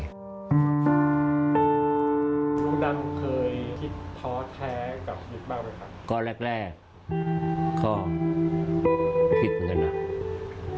ดูดังคิดพอแท้กับลูกมากหรือเปล่าครับ